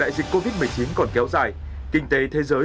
đại dịch covid một mươi chín còn kéo dài kinh tế thế giới